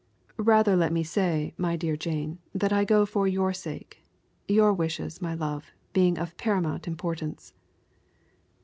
"Rather let me say, my dear Jane, that I go for your sake your wishes, my love, being of paramount importance."